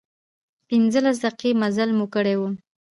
پنځلس دقيقې مزل مو کړی و.